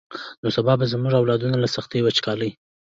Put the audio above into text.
نو سبا به زمونږ اولادونه له سختې وچکالۍ.